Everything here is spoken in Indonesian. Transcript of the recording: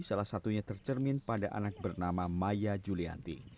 salah satunya tercermin pada anak bernama maya julianti